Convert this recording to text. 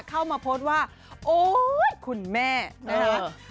เข้ามาโพสต์ว่าโอ๊ยคุณแม่นะฮะ